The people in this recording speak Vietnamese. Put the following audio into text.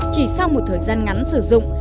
chỉ sau một thời gian ngắn sử dụng